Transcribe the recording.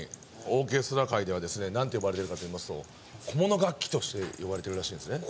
オーケストラ界ではですねなんて呼ばれてるかといいますと小物楽器として呼ばれてるらしいんですね。